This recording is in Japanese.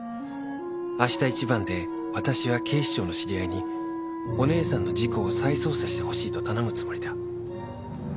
「明日一番で私は警視庁の知り合いにお姉さんの事故を再捜査してほしいと頼むつもりだ」